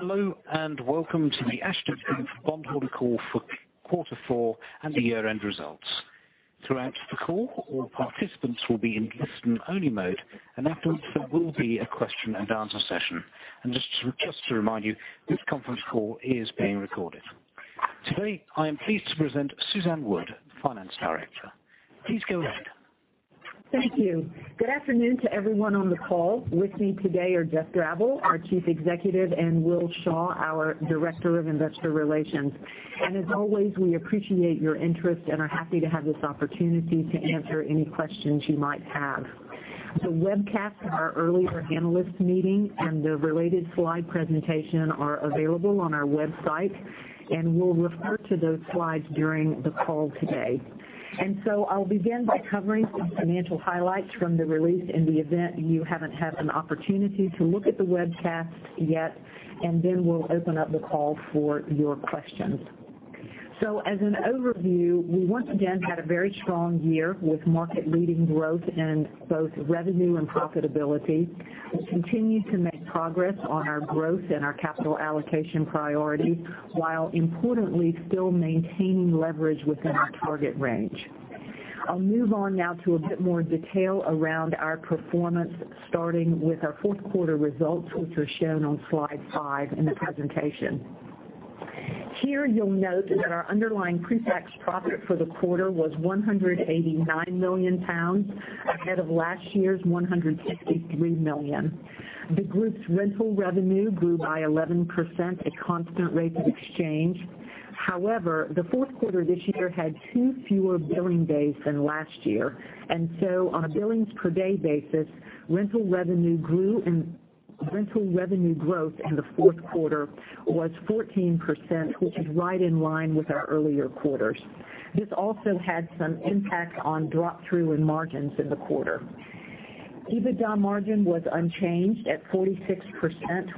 Hello, welcome to the Ashtead Group bondholder call for Quarter Four and the year-end results. Throughout the call, all participants will be in listen-only mode. Afterwards there will be a question and answer session. Just to remind you, this conference call is being recorded. Today, I am pleased to present Suzanne Wood, Finance Director. Please go ahead. Thank you. Good afternoon to everyone on the call. With me today are Geoff Drabble, our Chief Executive, and Will Shaw, our Director of Investor Relations. As always, we appreciate your interest and are happy to have this opportunity to answer any questions you might have. The webcast of our earlier analyst meeting and the related slide presentation are available on our website. We'll refer to those slides during the call today. I will begin by covering some financial highlights from the release in the event you haven't had an opportunity to look at the webcast yet. Then we'll open up the call for your questions. As an overview, we once again had a very strong year with market-leading growth in both revenue and profitability. We continued to make progress on our growth and our capital allocation priorities, while importantly, still maintaining leverage within our target range. I'll move on now to a bit more detail around our performance, starting with our fourth quarter results, which are shown on slide five in the presentation. Here, you'll note that our underlying pre-tax profit for the quarter was 189 million pounds, ahead of last year's 163 million. The group's rental revenue grew by 11% at constant rates of exchange. However, the fourth quarter this year had two fewer billing days than last year. On a billings per day basis, rental revenue growth in the fourth quarter was 14%, which is right in line with our earlier quarters. This also had some impact on drop-through and margins in the quarter. EBITDA margin was unchanged at 46%,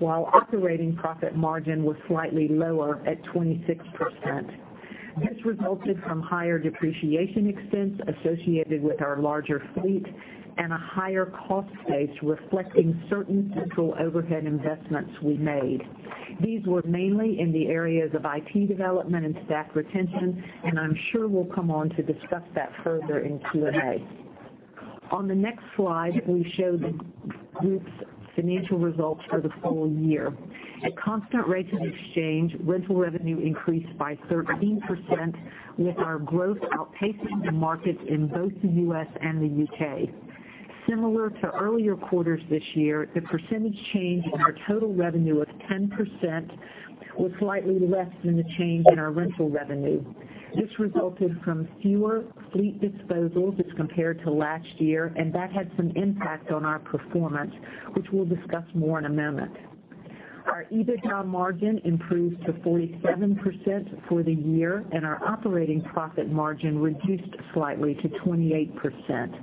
while operating profit margin was slightly lower, at 26%. This resulted from higher depreciation expense associated with our larger fleet and a higher cost base reflecting certain central overhead investments we made. These were mainly in the areas of IT development and staff retention. I'm sure we'll come on to discuss that further in Q&A. On the next slide, we show the group's financial results for the full year. At constant rates of exchange, rental revenue increased by 13%, with our growth outpacing the markets in both the U.S. and the U.K. Similar to earlier quarters this year, the percentage change in our total revenue of 10% was slightly less than the change in our rental revenue. That had some impact on our performance, which we'll discuss more in a moment. Our EBITDA margin improved to 47% for the year, and our operating profit margin reduced slightly to 28%.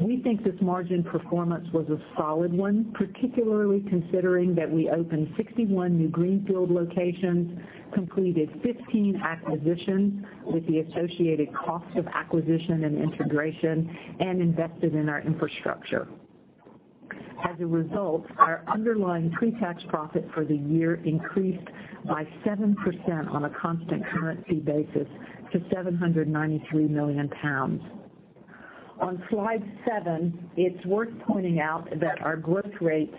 We think this margin performance was a solid one, particularly considering that we opened 61 new greenfield locations, completed 15 acquisitions with the associated cost of acquisition and integration, and invested in our infrastructure. As a result, our underlying pre-tax profit for the year increased by 7% on a constant currency basis, to 793 million pounds. On slide seven, it's worth pointing out that our growth rates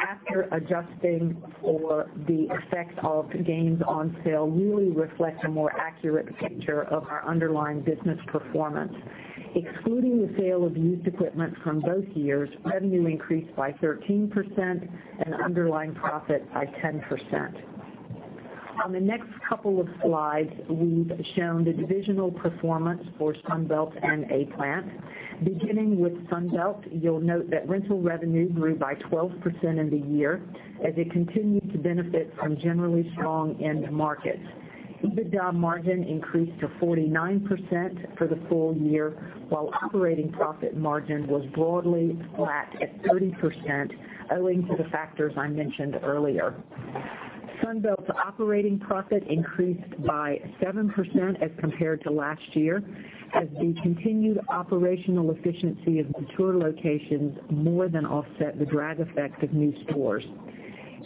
after adjusting for the effect of gains on sale really reflect a more accurate picture of our underlying business performance. Excluding the sale of used equipment from both years, revenue increased by 13% and underlying profit by 10%. On the next couple of slides, we've shown the divisional performance for Sunbelt and A-Plant. Beginning with Sunbelt, you'll note that rental revenue grew by 12% in the year as it continued to benefit from generally strong end markets. EBITDA margin increased to 49% for the full year, while operating profit margin was broadly flat at 30%, owing to the factors I mentioned earlier. Sunbelt's operating profit increased by 7% as compared to last year, as the continued operational efficiency of mature locations more than offset the drag effect of new stores.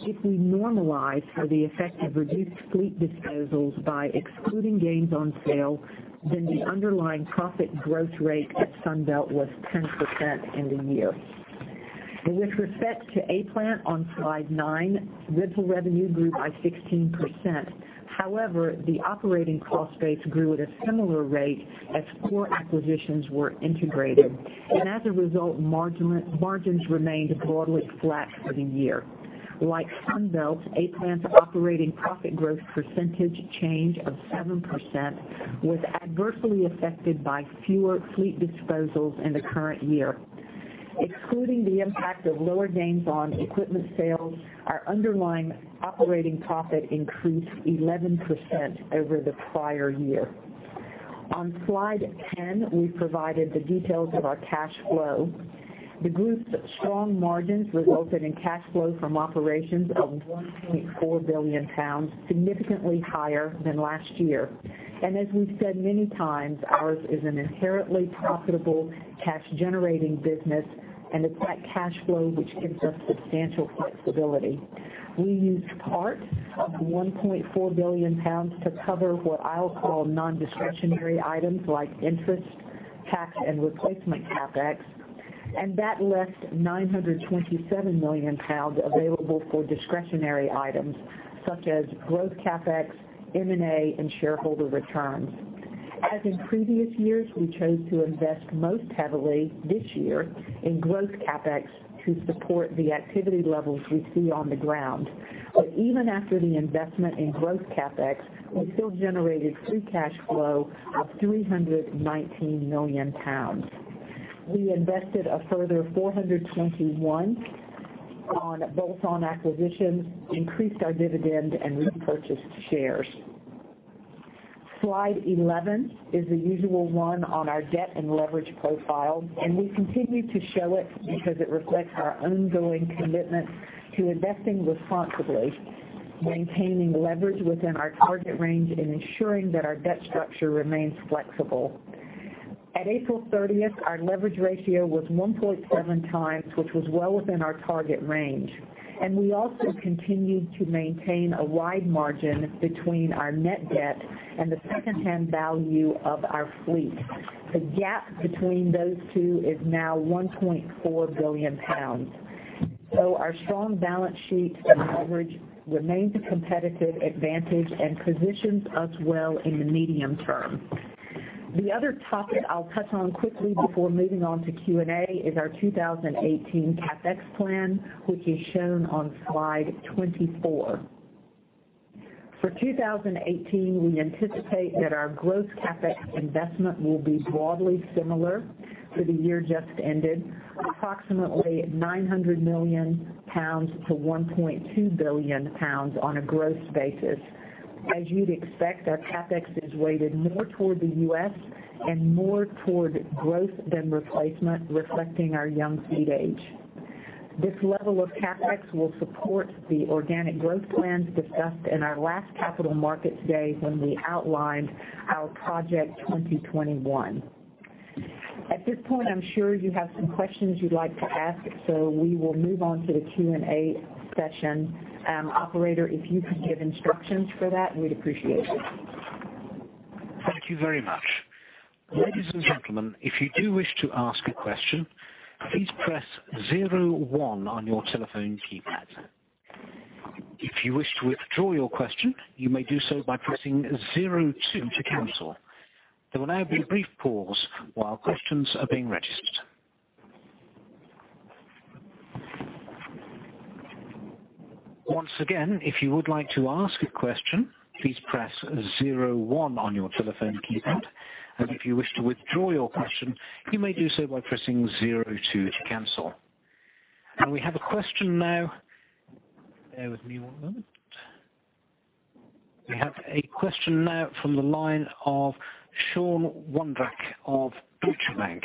If we normalize for the effect of reduced fleet disposals by excluding gains on sale, then the underlying profit growth rate at Sunbelt was 10% in the year. With respect to A-Plant on slide nine, rental revenue grew by 16%. However, the operating cost base grew at a similar rate as four acquisitions were integrated, and as a result, margins remained broadly flat for the year. Like Sunbelt, A-Plant's operating profit growth percentage change of 7% was adversely affected by fewer fleet disposals in the current year. Excluding the impact of lower gains on equipment sales, our underlying operating profit increased 11% over the prior year. On slide 10, we provided the details of our cash flow. The group's strong margins resulted in cash flow from operations of 1.4 billion pounds, significantly higher than last year. Ours is an inherently profitable cash-generating business, and it's that cash flow which gives us substantial flexibility. We used part of the 1.4 billion pounds to cover what I'll call non-discretionary items like interest, tax, and replacement CapEx. That left 927 million pounds available for discretionary items such as growth CapEx, M&A, and shareholder returns. As in previous years, we chose to invest most heavily this year in growth CapEx to support the activity levels we see on the ground. Even after the investment in growth CapEx, we still generated free cash flow of 319 million pounds. We invested a further 421 million on bolt-on acquisitions, increased our dividend, and repurchased shares. Slide 11 is the usual one on our debt and leverage profile, and we continue to show it because it reflects our ongoing commitment to investing responsibly, maintaining leverage within our target range, and ensuring that our debt structure remains flexible. At April 30th, our leverage ratio was 1.7 times, which was well within our target range. We also continued to maintain a wide margin between our net debt and the secondhand value of our fleet. The gap between those two is now 1.4 billion pounds. Our strong balance sheet and leverage remains a competitive advantage and positions us well in the medium term. The other topic I will touch on quickly before moving on to Q&A is our 2018 CapEx plan, which is shown on slide 24. For 2018, we anticipate that our growth CapEx investment will be broadly similar to the year just ended, approximately 900 million-1.2 billion pounds on a growth basis. As you would expect, our CapEx is weighted more toward the U.S. and more toward growth than replacement, reflecting our young fleet age. This level of CapEx will support the organic growth plans discussed in our last Capital Markets Day today when we outlined our Project 2021. At this point, I am sure you have some questions you would like to ask, we will move on to the Q&A session. Operator, if you could give instructions for that, we would appreciate it. Thank you very much. Ladies and gentlemen. We have a question now. Bear with me one moment. We have a question now from the line of Sean Wondrack of Deutsche Bank.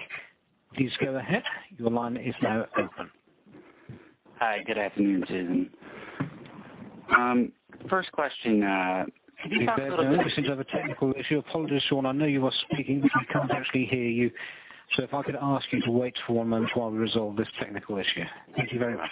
Please go ahead. Your line is now open. Hi, good afternoon, Sean. First question- We seem to have a technical issue. Apologies, Sean. I know you are speaking, but we can't actually hear you. If I could ask you to wait for one moment while we resolve this technical issue. Thank you very much.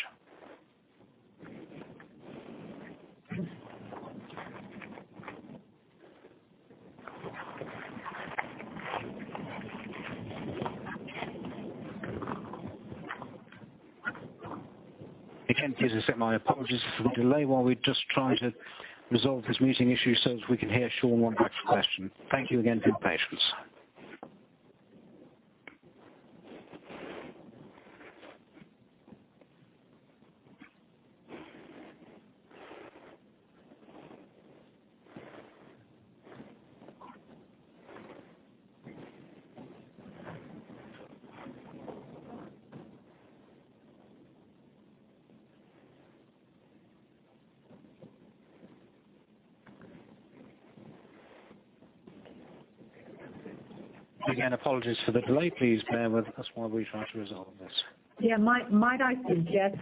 Again, please accept my apologies for the delay while we just try to resolve this muting issue as we can hear Sean Wondrack's question. Thank you again for your patience. Again, apologies for the delay. Please bear with us while we try to resolve this. Yeah, might I suggest,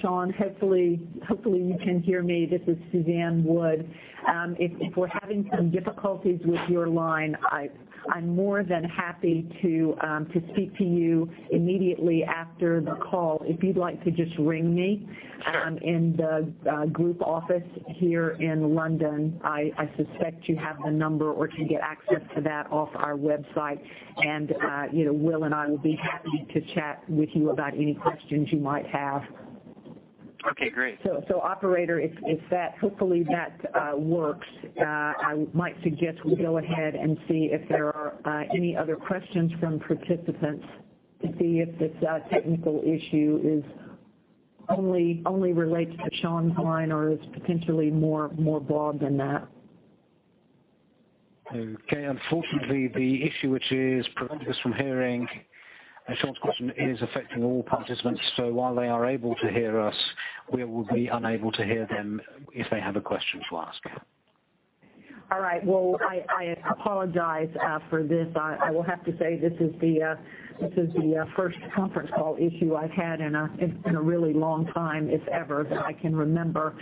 Sean, hopefully, you can hear me. This is Suzanne Wood. If we're having some difficulties with your line, I'm more than happy to speak to you immediately after the call. If you'd like to just ring me- Sure in the group office here in London. I suspect you have the number or can get access to that off our website. Will and I will be happy to chat with you about any questions you might have. Okay, great. Operator, hopefully, that works. I might suggest we go ahead and see if there are any other questions from participants to see if this technical issue only relates to Sean's line or is potentially more broad than that. Okay. Unfortunately, the issue which is preventing us from hearing Sean's question is affecting all participants. While they are able to hear us, we will be unable to hear them if they have a question to ask. All right. Well, I apologize for this. I will have to say this is the first conference call issue I've had in a really long time, if ever, that I can remember.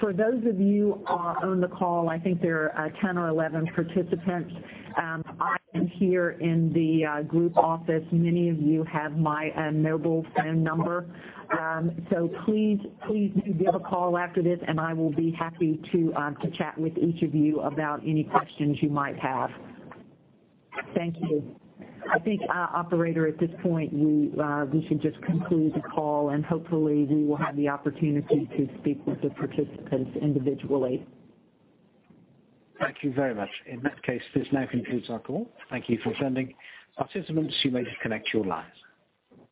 For those of you on the call, I think there are 10 or 11 participants. I am here in the group office. Many of you have my mobile phone number. Please do give a call after this, and I will be happy to chat with each of you about any questions you might have. Thank you. I think, operator, at this point, we should just conclude the call, and hopefully, we will have the opportunity to speak with the participants individually. Thank you very much. In that case, this now concludes our call. Thank you for attending. Participants, you may disconnect your lines.